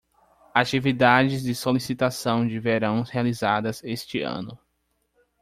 Atividades de solicitação de verão realizadas este ano